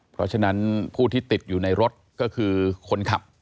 เพราะฉะนั้นผู้ที่ติดอยู่ในรถก็คือคนขับ